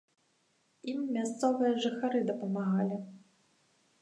Ім мясцовыя жыхары дапамагалі.